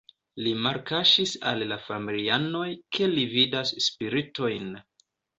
Li malkaŝis al la familianoj, ke li vidas spiritojn.